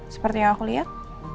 seperti yang aku liat